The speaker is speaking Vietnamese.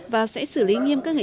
và sẽ xử lý nghiêm các nghệ sĩ